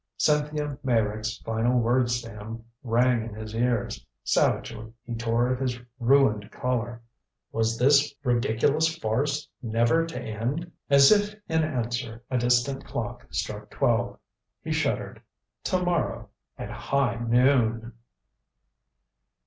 Cynthia Meyrick's final words to him rang in his ears. Savagely he tore at his ruined collar. Was this ridiculous farce never to end? As if in answer, a distant clock struck twelve. He shuddered. To morrow, at high noon!